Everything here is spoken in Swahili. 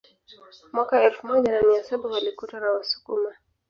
Mwaka elfu moja na mia saba walikutwa na Wasukuma